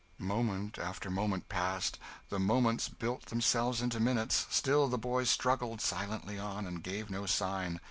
Moment after moment passed the moments built themselves into minutes still the boy struggled silently on, and gave no sign.